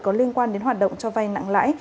có liên quan đến hoạt động cho vay nặng lãi